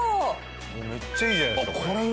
めっちゃいいじゃないですかこれ。